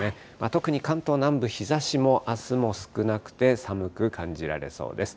特に関東南部、日ざしもあすも少なくて、寒く感じられそうです。